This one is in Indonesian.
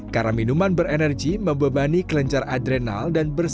karena minuman berenergi membebani kelencar adrenal